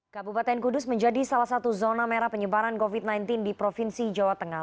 kabupaten kudus menjadi salah satu zona merah penyebaran covid sembilan belas di provinsi jawa tengah